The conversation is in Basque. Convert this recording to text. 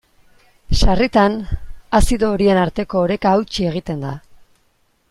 Sarritan, azido horien arteko oreka hautsi egiten da.